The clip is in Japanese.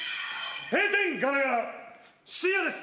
閉店ガラガラしんやです